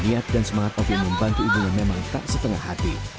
niat dan semangat ovin membantu ibunya memang tak setengah hati